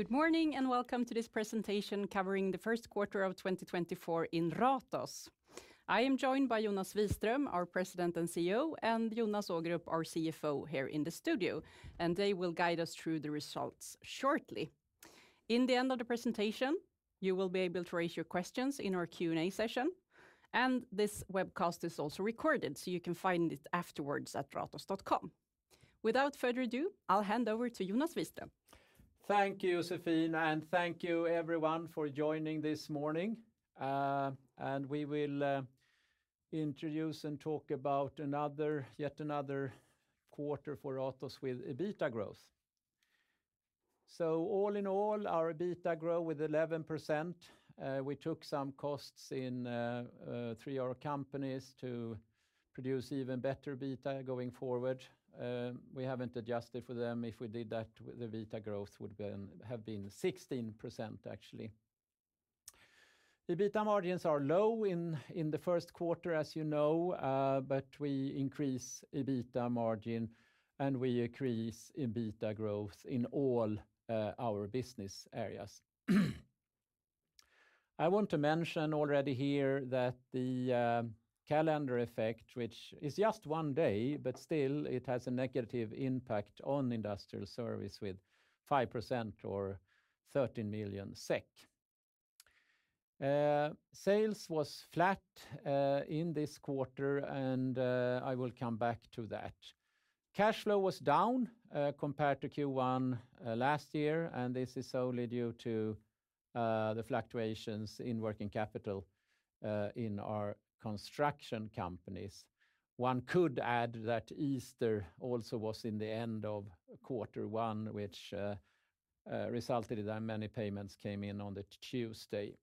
Good morning, and welcome to this presentation covering the First Quarter of 2024 in Ratos. I am joined by Jonas Wiström, our President and CEO, and Jonas Ågrup, our CFO, here in the studio, and they will guide us through the results shortly. In the end of the presentation, you will be able to raise your questions in our Q&A session, and this webcast is also recorded, so you can find it afterwards at ratos.com. Without further ado, I'll hand over to Jonas Wiström. Thank you, Josefine, and thank you everyone for joining this morning. We will introduce and talk about another, yet another quarter for Ratos with EBITDA growth. All in all, our EBITDA grow with 11%. We took some costs in three of our companies to produce even better EBITDA going forward. We haven't adjusted for them. If we did that, the EBITDA growth would have been 16%, actually. EBITDA margins are low in the first quarter, as you know, but we increase EBITDA margin, and we increase EBITDA growth in all our business areas. I want to mention already here that the calendar effect, which is just one day, but still it has a negative impact on industrial services with 5% or 13 million SEK. Sales was flat in this quarter, and I will come back to that. Cash flow was down compared to Q1 last year, and this is solely due to the fluctuations in working capital in our construction companies. One could add that Easter also was in the end of quarter one, which resulted in that many payments came in on the Tuesday.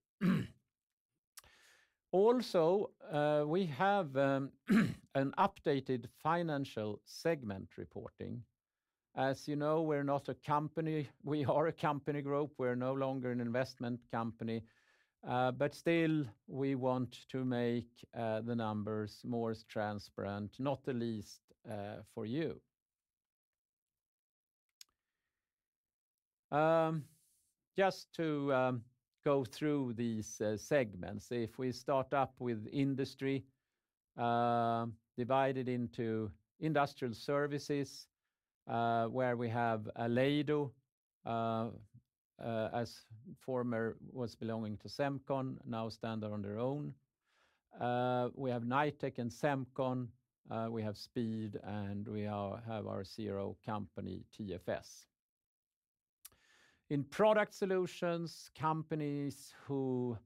Also, we have an updated financial segment reporting. As you know, we're not a company. We are a company group. We're no longer an investment company, but still, we want to make the numbers more transparent, not the least for you. Just to go through these segments, if we start up with industry, divided into industrial services, where we have Aleido, as former was belonging to Semcon, now stand on their own. We have Knightec and Semcon, we have Speed, and we have our CRO company, TFS. In product solutions, companies who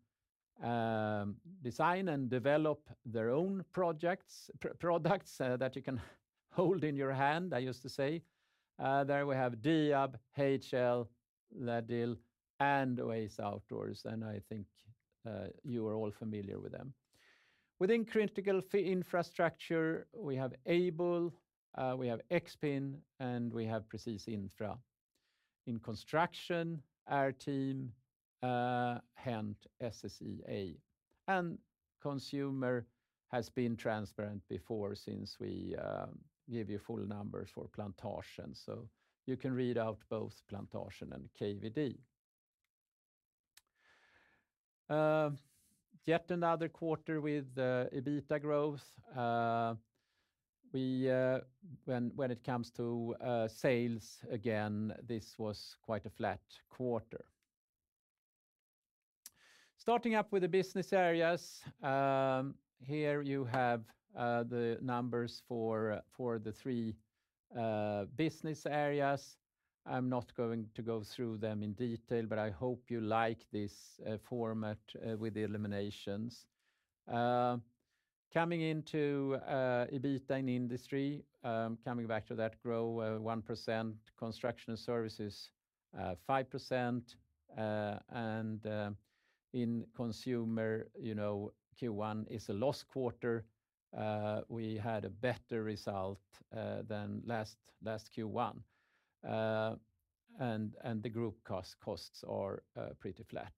design and develop their own projects, products, that you can hold in your hand, I used to say. There we have Diab, HL, LEDiL, and Oase Outdoors, and I think you are all familiar with them. Within critical infrastructure, we have Aibel, we have Expin, and we have Presis Infra. In construction, Airteam, HENT, SSEA, and Consumer has been transparent before, since we give you full numbers for Plantasjen, so you can read out both Plantasjen and KVD. Yet another quarter with EBITDA growth. We, when it comes to sales, again, this was quite a flat quarter. Starting up with the business areas, here you have the numbers for the three business areas. I'm not going to go through them in detail, but I hope you like this format with the eliminations. Coming into EBITDA in industry, coming back to that, grow 1%, construction and services 5%, and in consumer, you know, Q1 is a lost quarter. We had a better result than last Q1. And the group costs are pretty flat.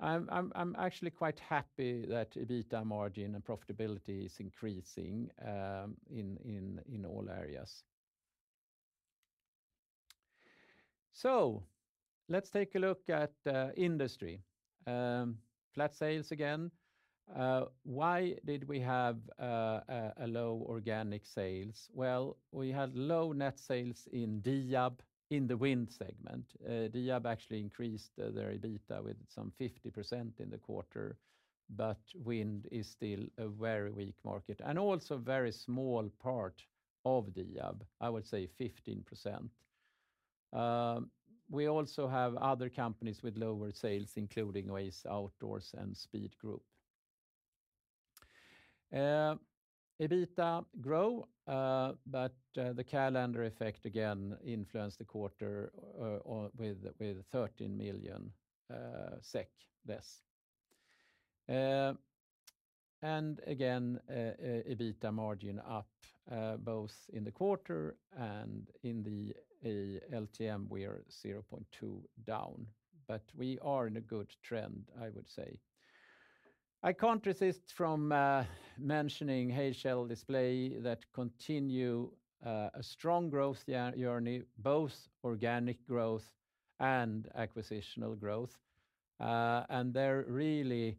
I'm actually quite happy that EBITDA margin and profitability is increasing in all areas. So let's take a look at industry. Flat sales again. Why did we have a low organic sales? Well, we had low net sales in Diab, in the wind segment. Diab actually increased their EBITDA with some 50% in the quarter, but wind is still a very weak market and also very small part of Diab. I would say 15%. We also have other companies with lower sales, including Oase Outdoors and Speed Group. EBITDA grow, but the calendar effect again influenced the quarter with 13 million SEK less. And again, EBITDA margin up both in the quarter and in the LTM, we are 0.2 down, but we are in a good trend, I would say. I can't resist from mentioning HL Display that continue a strong growth journey, both organic growth and acquisitional growth. And they're really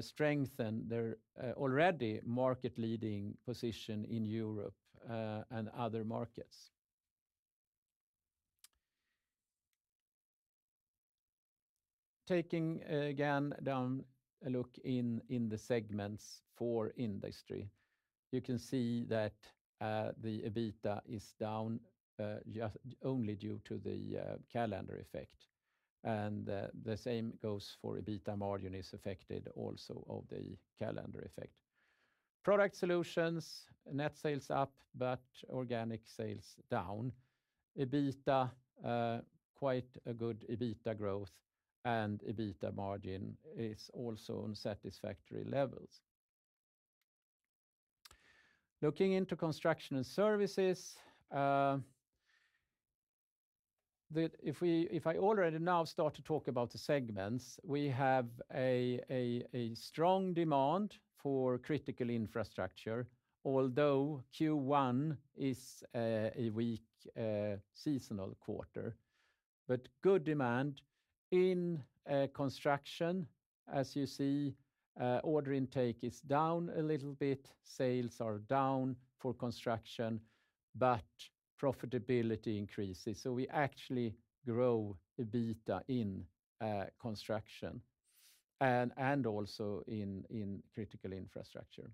strengthen their already market leading position in Europe and other markets. Taking again a look in the segments for industry, you can see that the EBITDA is down just only due to the calendar effect, and the same goes for EBITDA margin is affected also of the calendar effect. Product Solutions, net sales up, but organic sales down. EBITDA quite a good EBITDA growth, and EBITDA margin is also on satisfactory levels. Looking into Construction & Services, if I already now start to talk about the segments, we have a strong demand for critical infrastructure, although Q1 is a weak seasonal quarter, but good demand in construction. As you see, order intake is down a little bit, sales are down for construction, but profitability increases. So we actually grow EBITDA in construction and also in critical infrastructure.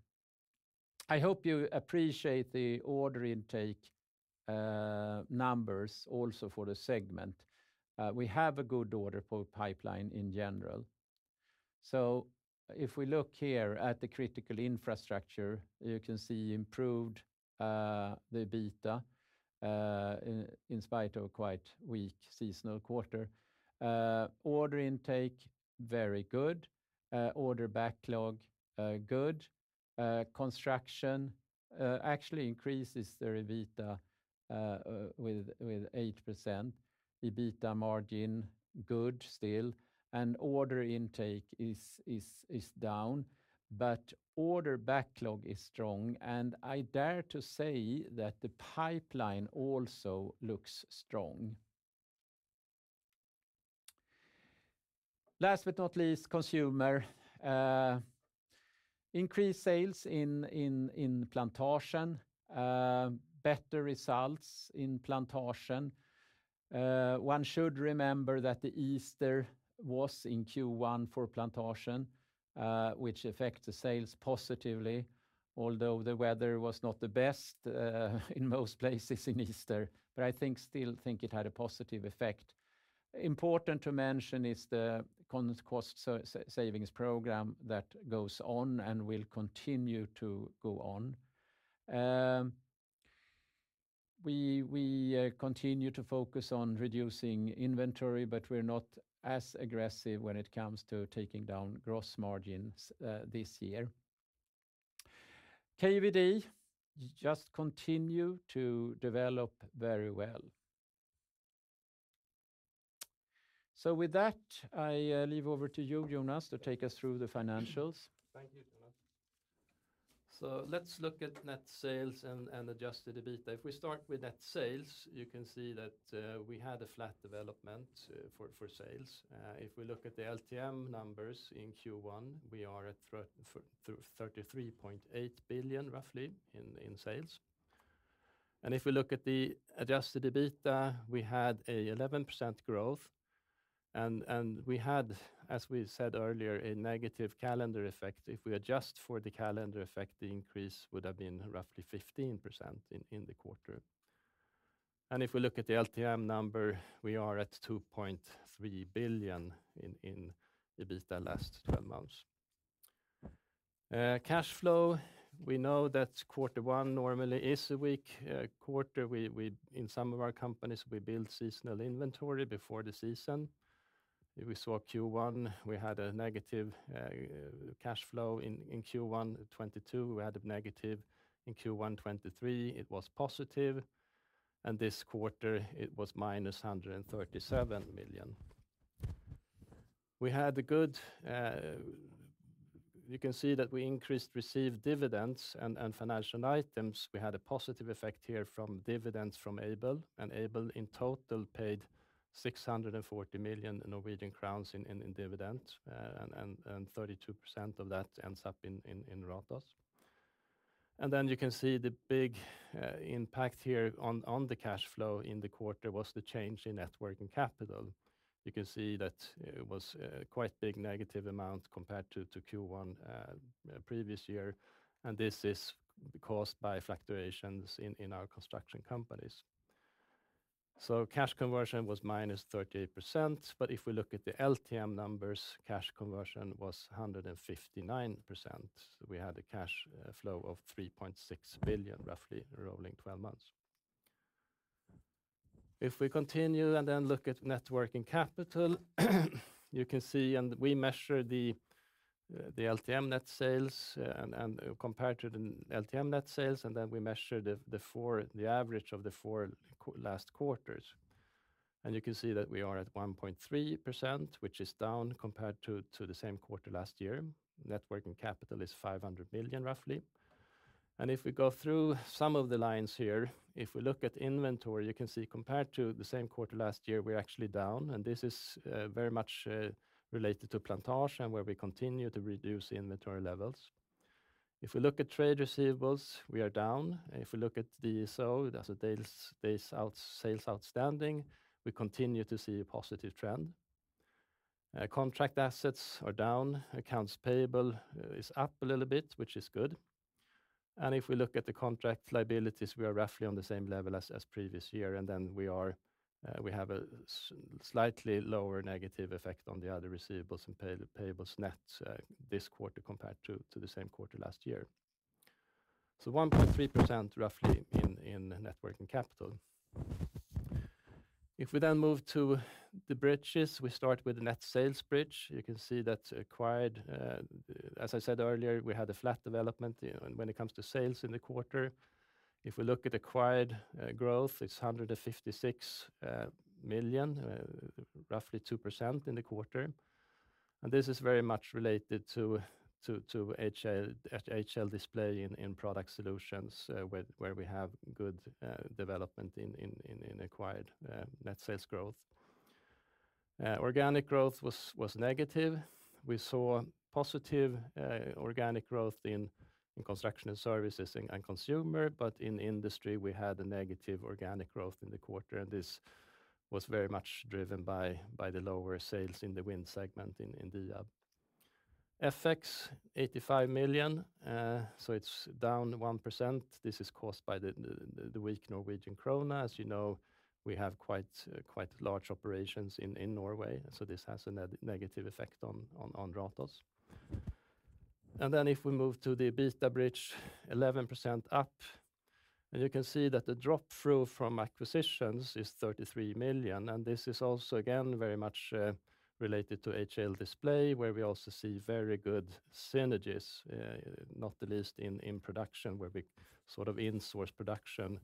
I hope you appreciate the order intake numbers also for the segment. We have a good order pipeline in general. So if we look here at the critical infrastructure, you can see improved the EBITDA in spite of quite weak seasonal quarter. Order intake, very good. Order backlog, good. Construction actually increases the EBITDA with 8%. EBITDA margin, good still, and order intake is down, but order backlog is strong, and I dare to say that the pipeline also looks strong. Last but not least, Consumer increased sales in Plantasjen, better results in Plantasjen. One should remember that the Easter was in Q1 for Plantasjen, which affect the sales positively, although the weather was not the best in most places in Easter. But I think, still think it had a positive effect. Important to mention is the cost savings program that goes on and will continue to go on. We continue to focus on reducing inventory, but we're not as aggressive when it comes to taking down gross margins this year. KVD just continue to develop very well. So with that, I leave over to you, Jonas, to take us through the financials. Thank you, Jonas. So let's look at net sales and adjusted EBITDA. If we start with net sales, you can see that we had a flat development for sales. If we look at the LTM numbers in Q1, we are at 33.8 billion, roughly, in sales. And if we look at the adjusted EBITDA, we had 11% growth, and we had, as we said earlier, a negative calendar effect. If we adjust for the calendar effect, the increase would have been roughly 15% in the quarter. And if we look at the LTM number, we are at 2.3 billion in EBITDA last twelve months. Cash flow, we know that quarter one normally is a weak quarter. We—In some of our companies, we build seasonal inventory before the season. We saw Q1, we had a negative cash flow in Q1 2022, we had a negative. In Q1 2023, it was positive, and this quarter it was -137 million. We had a good... You can see that we increased received dividends and financial items. We had a positive effect here from dividends from Aibel, and Aibel, in total, paid 640 million Norwegian crowns in dividends, and 32% of that ends up in Ratos. And then you can see the big impact here on the cash flow in the quarter was the change in Net Working Capital. You can see that it was a quite big negative amount compared to Q1 previous year, and this is caused by fluctuations in our construction companies. So cash conversion was -38%, but if we look at the LTM numbers, cash conversion was 159%. We had a cash flow of 3.6 billion, roughly, rolling twelve months. If we continue and then look at net working capital, you can see, and we measure the LTM net sales and compare it to the LTM net sales, and then we measure the average of the four last quarters, and you can see that we are at 1.3%, which is down compared to the same quarter last year. Net working capital is 500 million, roughly. And if we go through some of the lines here, if we look at inventory, you can see compared to the same quarter last year, we're actually down, and this is very much related to Plantasjen, where we continue to reduce the inventory levels. If we look at trade receivables, we are down. If we look at the DSO, that's the days sales outstanding, we continue to see a positive trend. Contract assets are down. Accounts payable is up a little bit, which is good. And if we look at the contract liabilities, we are roughly on the same level as previous year, and then we have a slightly lower negative effect on the other receivables and payables net this quarter compared to the same quarter last year. So 1.3% roughly in net working capital. If we then move to the bridges, we start with the net sales bridge. You can see that acquired. As I said earlier, we had a flat development when it comes to sales in the quarter. If we look at acquired growth, it's 156 million, roughly 2% in the quarter. And this is very much related to HL Display in product solutions, where we have good development in acquired net sales growth. Organic growth was negative. We saw positive organic growth in Construction and Services and Consumer, but in Industry, we had a negative organic growth in the quarter, and this was very much driven by the lower sales in the wind segment in Diab. FX, 85 million, so it's down 1%. This is caused by the weak Norwegian krone. As you know, we have quite large operations in Norway, so this has a negative effect on Ratos. Then if we move to the EBITDA bridge, 11% up, and you can see that the drop through from acquisitions is 33 million, and this is also, again, very much, related to HL Display, where we also see very good synergies, not the least in production, where we sort of insource production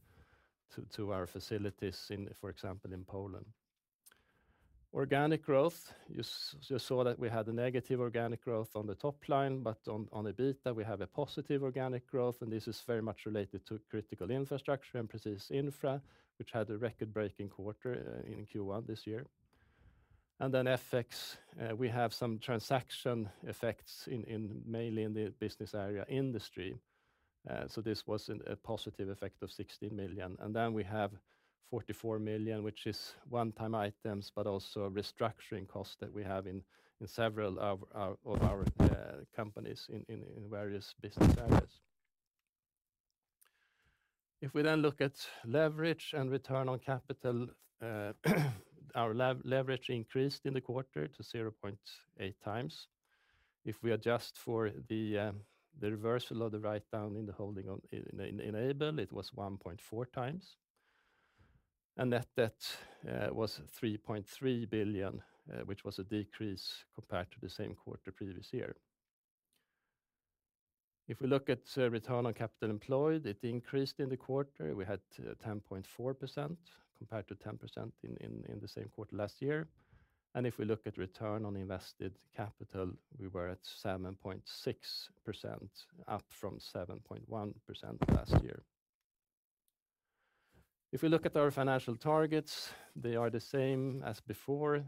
to our facilities in, for example, in Poland. Organic growth, you saw that we had a negative organic growth on the top line, but on EBITDA, we have a positive organic growth, and this is very much related to critical infrastructure and Presis Infra, which had a record-breaking quarter in Q1 this year. Then FX, we have some transaction effects in mainly in the business area industry, so this was a positive effect of 16 million. And then we have 44 million, which is one-time items, but also restructuring costs that we have in several of our companies in various business areas. If we then look at leverage and return on capital, our leverage increased in the quarter to 0.8x. If we adjust for the reversal of the write-down in the holding on in Aibel, it was 1.4x, and net debt was 3.3 billion, which was a decrease compared to the same quarter previous year. If we look at return on capital employed, it increased in the quarter. We had 10.4% compared to 10% in the same quarter last year. If we look at return on invested capital, we were at 7.6%, up from 7.1% last year. If we look at our financial targets, they are the same as before.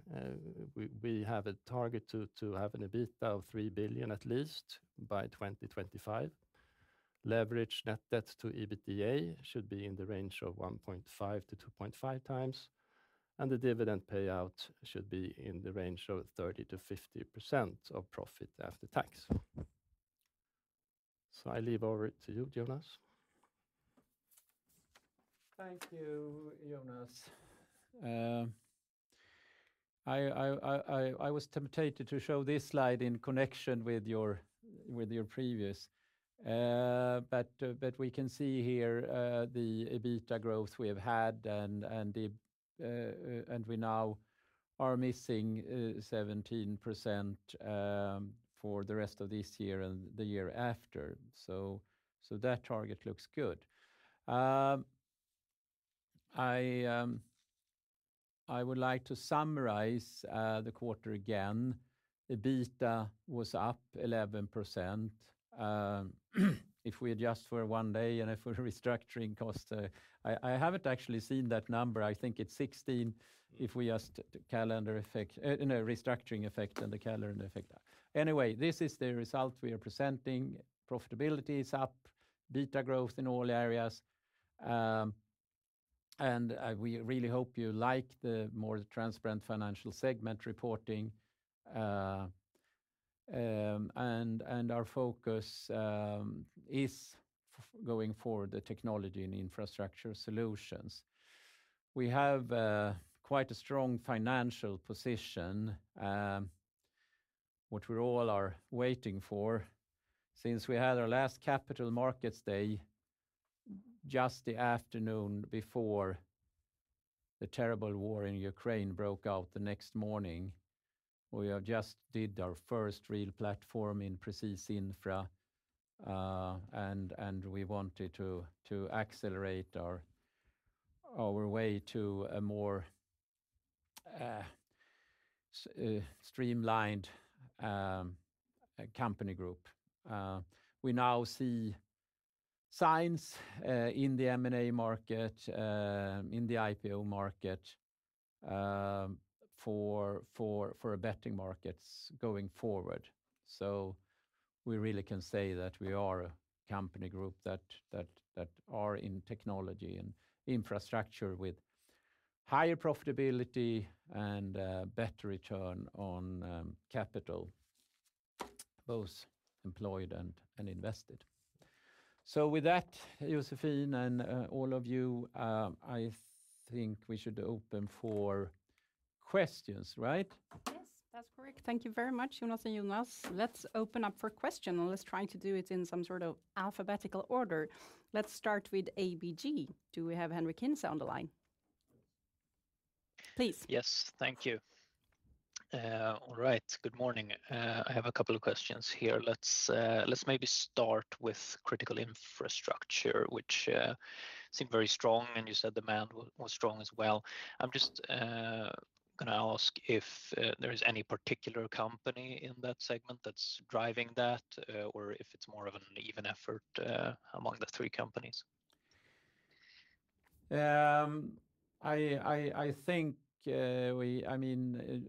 We have a target to have an EBITDA of 3 billion, at least by 2025. Leverage net debt to EBITDA should be in the range of 1.5-2.5x, and the dividend payout should be in the range of 30%-50% of profit after tax. I hand over to you, Jonas. Thank you, Jonas. I was tempted to show this slide in connection with your previous. But we can see here the EBITDA growth we have had and we now are missing 17% for the rest of this year and the year after. So that target looks good. I would like to summarize the quarter again. EBITDA was up 11%. If we adjust for one day and the restructuring costs, I haven't actually seen that number. I think it's 16 if we adjust the calendar effect, no, restructuring effect and the calendar effect. Anyway, this is the result we are presenting. Profitability is up, EBITDA growth in all areas, and we really hope you like the more transparent financial segment reporting. And our focus is, going forward, the technology and infrastructure solutions. We have quite a strong financial position, what we all are waiting for, since we had our last Capital Markets Day, just the afternoon before the terrible war in Ukraine broke out the next morning. We have just did our first real platform in Presis Infra, and we wanted to accelerate our way to a more streamlined company group. We now see signs in the M&A market, in the IPO market, for better markets going forward. So we really can say that we are a company group that are in technology and infrastructure with higher profitability and better return on capital, both employed and invested. So with that, Josefine and all of you, I think we should open for questions, right? Yes, that's correct. Thank you very much, Jonas and Jonas. Let's open up for questions, and let's try to do it in some sort of alphabetical order. Let's start with ABG. Do we have Henrik Hinse on the line? Please. Yes. Thank you. All right. Good morning, I have a couple of questions here. Let's maybe start with critical infrastructure, which seemed very strong, and you said demand was strong as well. I'm just gonna ask if there is any particular company in that segment that's driving that, or if it's more of an even effort among the three companies? I think we—I mean,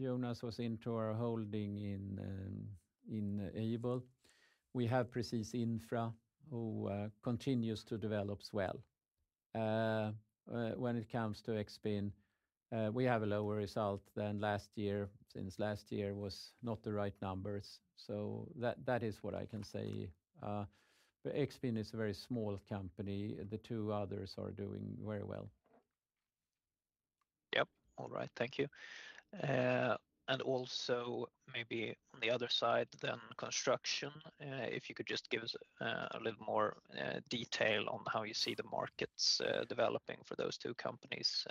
Jonas was into our holding in Aibel. We have Presis Infra, who continues to develop well. When it comes to Expin, we have a lower result than last year since last year was not the right numbers, so that is what I can say. But Expin is a very small company, the two others are doing very well. Yep. All right, thank you. And also maybe on the other side, then, construction, if you could just give us a little more detail on how you see the markets developing for those two companies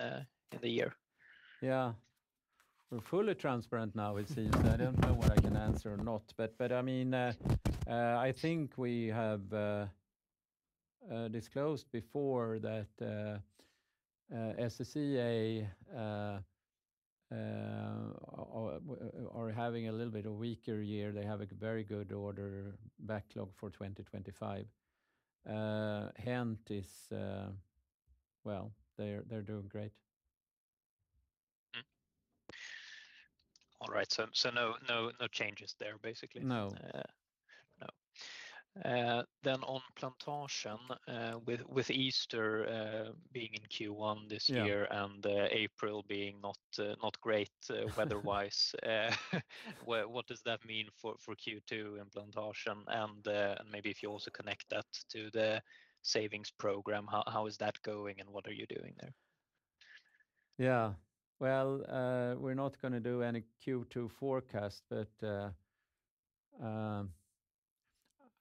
in the year. Yeah. We're fully transparent now, it seems. I don't know what I can answer or not, but, but, I mean, I think we have disclosed before that SSEA are having a little bit of weaker year. They have a very good order backlog for 2025. HENT is... Well, they're doing great. Mm-hmm. All right, so, so no, no, no changes there, basically? No. No. Then on Plantasjen, with Easter being in Q1 this year- Yeah... and, April being not, not great, weather-wise, what, what does that mean for, for Q2 in Plantasjen? And, and maybe if you also connect that to the savings program, how, how is that going, and what are you doing there? Yeah. Well, we're not gonna do any Q2 forecast, but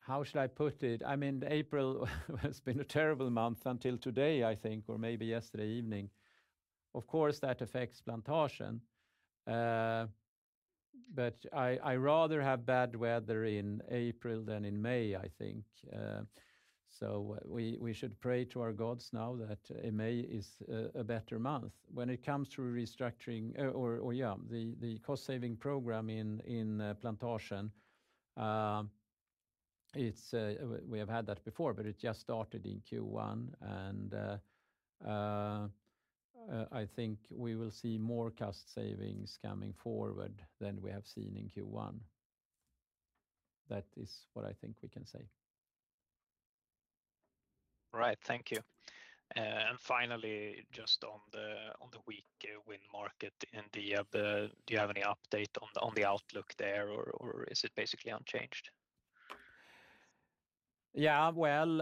how should I put it? I mean, April has been a terrible month until today, I think, or maybe yesterday evening. Of course, that affects Plantasjen. But I rather have bad weather in April than in May, I think, so we should pray to our gods now that May is a better month. When it comes to restructuring, or yeah, the cost saving program in Plantasjen, it's. We have had that before, but it just started in Q1, and I think we will see more cost savings coming forward than we have seen in Q1. That is what I think we can say. Right. Thank you. And finally, just on the weak wind market, and do you have any update on the outlook there, or is it basically unchanged? Yeah, well,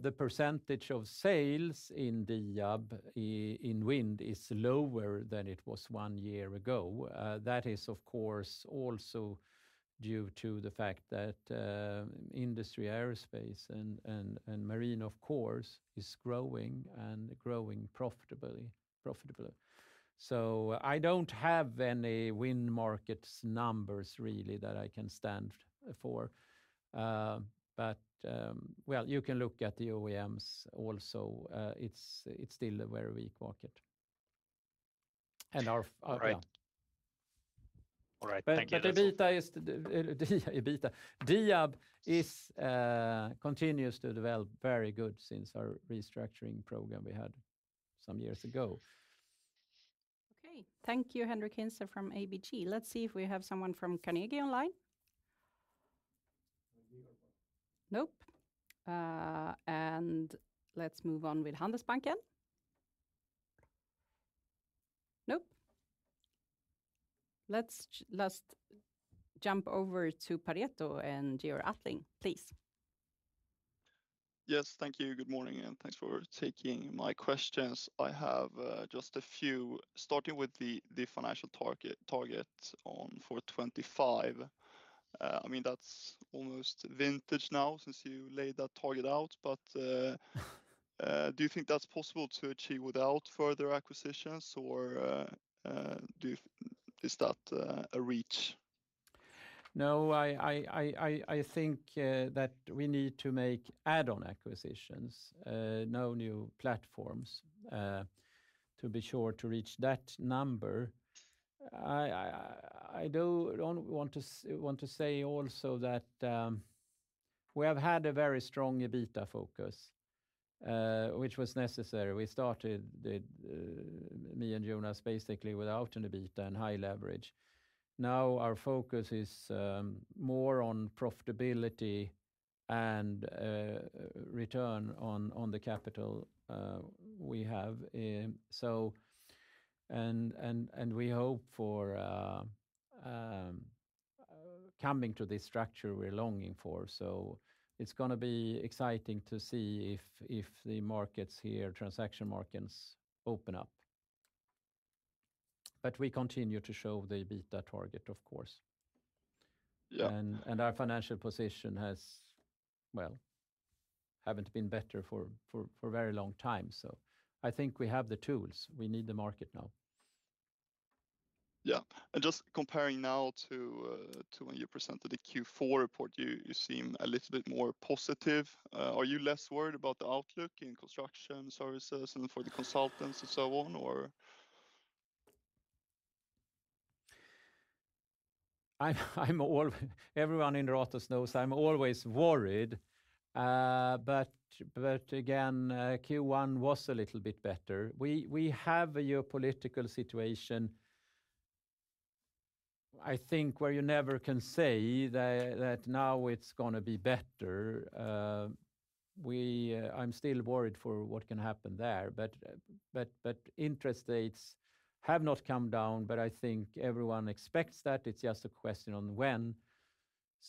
the percentage of sales in the wind is lower than it was one year ago. That is, of course, also due to the fact that industrial, aerospace, and marine, of course, is growing profitably. So I don't have any wind market numbers really that I can stand for, but, well, you can look at the OEMs also. It's still a very weak market. And our- Right. Yeah. All right. Thank you very much. EBITDA is... EBITDA. Diab continues to develop very good since our restructuring program we had some years ago. Okay. Thank you, Henrik Hinse, from ABG. Let's see if we have someone from Carnegie online. Nope, and let's move on with Handelsbanken. Nope. Let's jump over to Pareto and Georg Attling, please. Yes, thank you. Good morning, and thanks for taking my questions. I have just a few, starting with the financial target on for 2025. I mean, that's almost vintage now since you laid that target out, but do you think that's possible to achieve without further acquisitions, or is that a reach? No, I think that we need to make add-on acquisitions, no new platforms, to be sure to reach that number. I don't want to say also that we have had a very strong EBITDA focus, which was necessary. We started it, me and Jonas, basically without an EBITDA and high leverage. Now, our focus is more on profitability and return on the capital we have, so we hope for coming to this structure we're longing for. So it's gonna be exciting to see if the markets here, transaction markets, open up. But we continue to show the EBITDA target, of course. Yeah. Our financial position has, well, haven't been better for a very long time. So I think we have the tools. We need the market now. Yeah. Just comparing now to when you presented the Q4 report, you seem a little bit more positive. Are you less worried about the outlook in construction services and for the consultants and so on, or? Everyone in Ratos knows I'm always worried, but again, Q1 was a little bit better. We have a geopolitical situation, I think, where you never can say that now it's gonna be better. I'm still worried for what can happen there, but interest rates have not come down, but I think everyone expects that. It's just a question on when.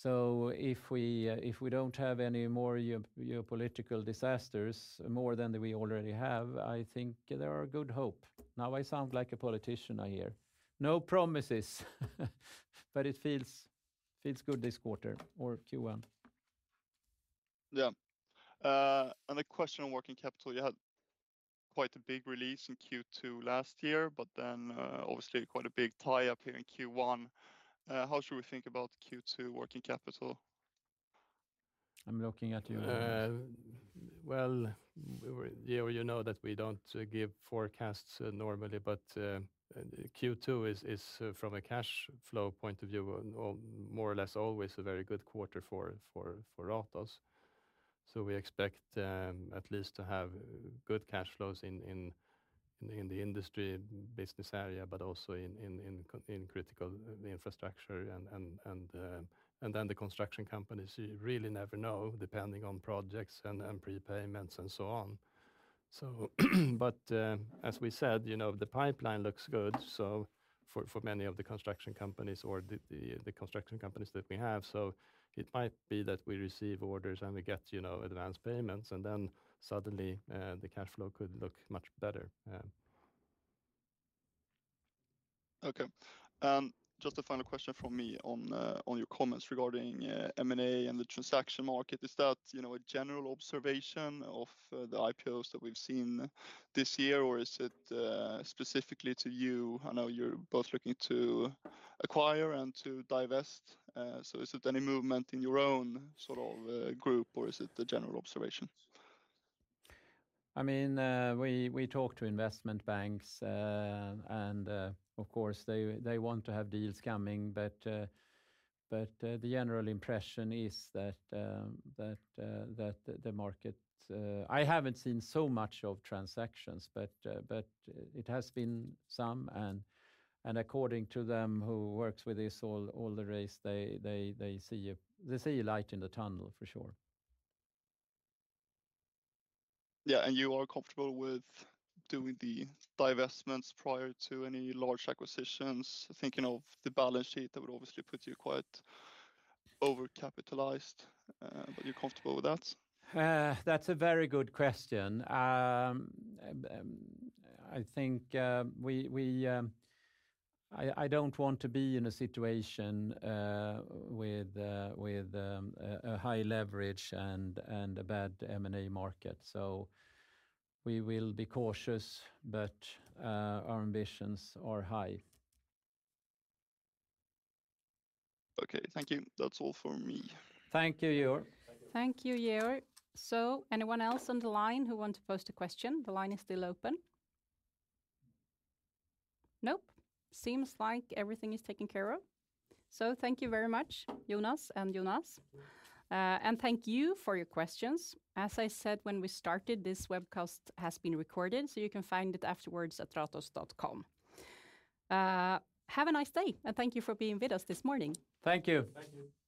So if we don't have any more geopolitical disasters, more than we already have, I think there are a good hope. Now, I sound like a politician, I hear. No promises, but it feels good this quarter, or Q1. Yeah. A question on working capital. You had quite a big release in Q2 last year, but then, obviously quite a big tie-up here in Q1. How should we think about Q2 working capital? I'm looking at you, Jonas. Well, we were—Georg, you know that we don't give forecasts normally, but Q2 is, from a cash flow point of view, more or less always a very good quarter for Ratos. So we expect at least to have good cash flows in the industry business area, but also in critical infrastructure and then the construction companies, you really never know, depending on projects and prepayments and so on. So, but as we said, you know, the pipeline looks good, so for many of the construction companies or the construction companies that we have. So it might be that we receive orders and we get, you know, advanced payments, and then suddenly the cash flow could look much better. Okay. Just a final question from me on your comments regarding M&A and the transaction market. Is that, you know, a general observation of the IPOs that we've seen this year, or is it specifically to you? I know you're both looking to acquire and to divest. So is it any movement in your own sort of group, or is it a general observation? I mean, we talk to investment banks, and of course, they want to have deals coming. But, the general impression is that the market... I haven't seen so much of transactions, but it has been some, and according to them who works with this all the time, they see a light in the tunnel, for sure. Yeah, and you are comfortable with doing the divestments prior to any large acquisitions, thinking of the balance sheet, that would obviously put you quite overcapitalized, but you're comfortable with that? That's a very good question. I think we don't want to be in a situation with a high leverage and a bad M&A market, so we will be cautious, but our ambitions are high. Okay, thank you. That's all for me. Thank you, Georg. Thank you, Georg. So anyone else on the line who want to pose a question? The line is still open. Nope, seems like everything is taken care of. So thank you very much, Jonas and Jonas, and thank you for your questions. As I said when we started, this webcast has been recorded, so you can find it afterwards at ratos.com. Have a nice day, and thank you for being with us this morning. Thank you. Thank you.